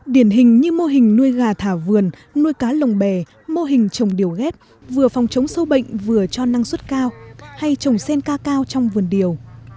điển hình như mô hình nuôi gà thảo vườn nuôi cá lồng bè mô hình trồng điều ghép vừa phòng chống sâu bệnh vừa cho năng suất cao hay trồng sen ca cao trong vườn điều